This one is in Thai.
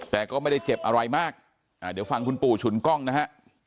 แต่ก็ไม่ได้เจ็บอะไรมากเดี๋ยวฟังคุณปู่ฉุนกล้องนะฮะ